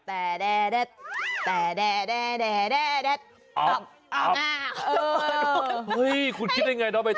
แอ้เขาคิดได้ยังไงเนอะไปต่อ